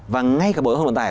và ngay cả bộ giao thông vận tài